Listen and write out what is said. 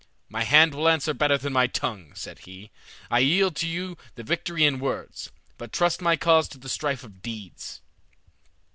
'My hand will answer better than my tongue,' said he. 'I yield to you the victory in words, but trust my cause to the strife of deeds.'